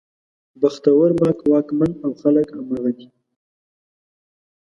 بختور واکمن او خلک همغه دي.